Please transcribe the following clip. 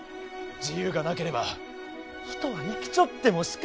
自由がなければ人は生きちょってもしかたがない！